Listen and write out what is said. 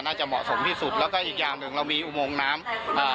น่าจะเหมาะสมที่สุดแล้วก็อีกอย่างหนึ่งเรามีอุโมงน้ำเอ่อ